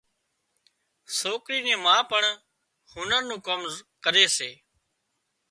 سوڪري نِي ما پڻ هنر نُون ڪام ڪري سي